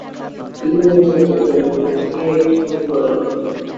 তিনি ঐ তত্ত্ব প্রয়োগ করতে গিয়ে একটি ভুল করেন।